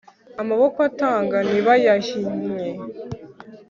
amaboko atanga ntibayahinnye